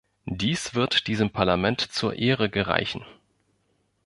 Dies wird diesem Parlament zur Ehre gereichen.